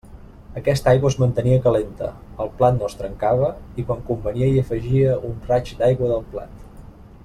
Aquesta aigua es mantenia calenta, el plat no es trencava i quan convenia hi afegia un raig d'aigua del plat.